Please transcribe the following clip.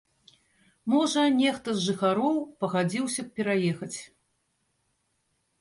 Можа, нехта з жыхароў пагадзіўся б пераехаць.